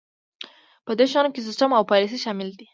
په دې شیانو کې سیستم او پالیسي شامل دي.